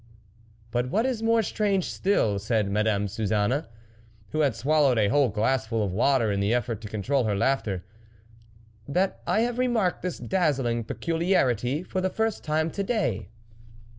" But what is more strange still," said Madame Suzanne, who had swallowed a whole glassful of water in the effort to control her laughter, "that I have re marked this dazzling peculiarity for the first time to day."